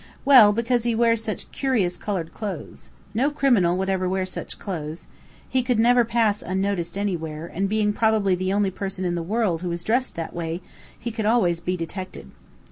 "Well, because he wears such curious colored clothes. No criminal would ever wear such clothes. He could never pass unnoticed anywhere; and being probably the only person in the world who dressed that way, he could always be detected."